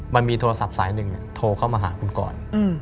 มันมีโทรศัพท์สายหนึ่งโทรเข้ามาหาคุณก่อน